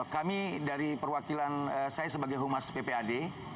kami dari perwakilan saya sebagai humas ppad